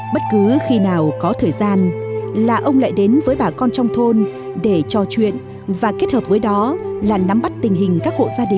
bất cứ khi nào có thời gian là ông lại đến với bà con trong thôn để trò chuyện và kết hợp với đó là nắm bắt tình hình các hộ gia đình